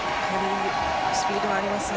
スピードがありますね。